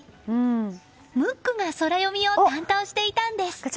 ムックがソラよみを担当していたんです。